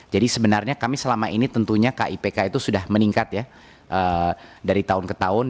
jadi sebenarnya kami selama ini tentunya kipk itu sudah meningkat ya dari tahun ke tahun